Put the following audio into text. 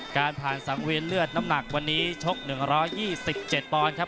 การผ่านสังเวียนเลือดน้ำหนักวันนี้ชก๑๒๗ปอนด์ครับ